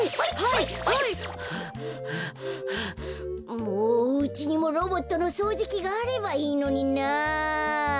もううちにもロボットのそうじきがあればいいのにな。